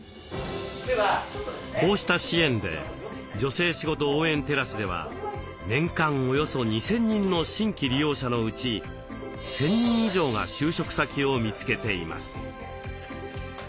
こうした支援で女性しごと応援テラスでは年間およそ２，０００人の新規利用者のうち１，０００人以上が就職先を見つけています。